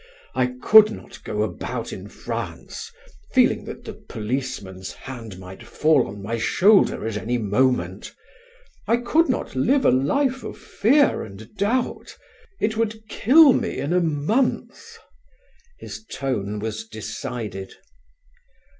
I could not go about in France feeling that the policeman's hand might fall on my shoulder at any moment. I could not live a life of fear and doubt: it would kill me in a month." His tone was decided.